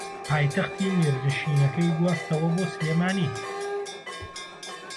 پایتەختی میرنشینەکەی گواستووەتەوە بۆ سلێمانی